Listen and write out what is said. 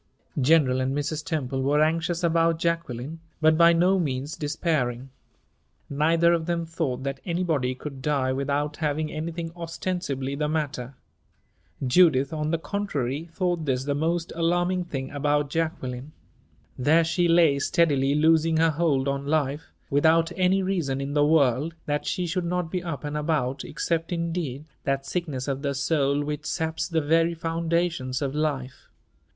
General and Mrs. Temple were anxious about Jacqueline, but by no means despairing. Neither of them thought that anybody could die without having anything ostensibly the matter. Judith, on the contrary, thought this the most alarming thing about Jacqueline. There she lay, steadily losing her hold on life, without any reason in the world that she should not be up and about except, indeed, that sickness of the soul which saps the very foundations of life.